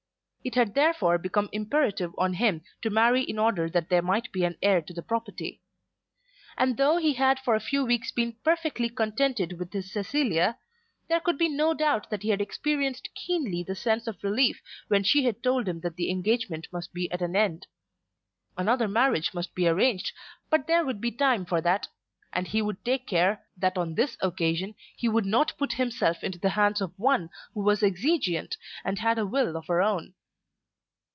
It had therefore become imperative on him to marry in order that there might be an heir to the property. And though he had for a few weeks been perfectly contented with his Cecilia, there could be no doubt that he had experienced keenly the sense of relief when she had told him that the engagement must be at an end. Another marriage must be arranged, but there would be time for that; and he would take care, that on this occasion he would not put himself into the hands of one who was exigeante and had a will of her own.